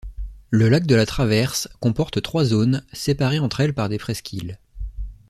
Le lac de la Traverse comporte trois zones, séparées entre elles par des presqu'îles.